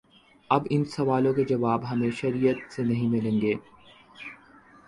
اب ان سوالوں کے جواب ہمیں شریعت سے نہیں ملیں گے۔